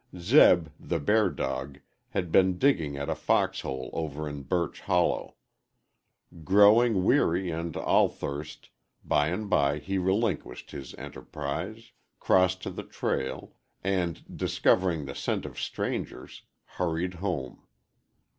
Zeb, the bear dog, had been digging at a foxhole over in Birch Hollow. Growing weary and athirst, by and by he relinquished his enterprise, crossed to the trail, and, discovering the scent of strangers, hurried home.